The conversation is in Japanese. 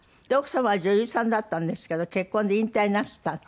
で奥様は女優さんだったんですけど結婚で引退なすった。